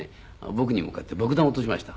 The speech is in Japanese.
僕に向かって爆弾を落としました。